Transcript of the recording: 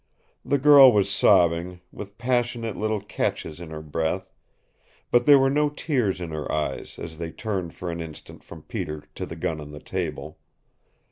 The girl was sobbing, with passionate little catches in her breath, but there were no tears in her eyes as they turned for an instant from Peter to the gun on the table.